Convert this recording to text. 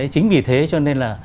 chính vì thế cho nên là